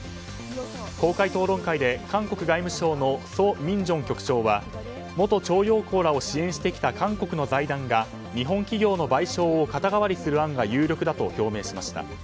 公開討論会で韓国外務省のソ・ミンジョン局長は元徴用工らを支援してきた韓国の財団が日本企業の賠償を肩代わりする案が有力だと表明しました。